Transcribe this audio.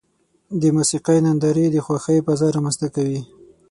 د موسیقۍ نندارې د خوښۍ فضا رامنځته کوي.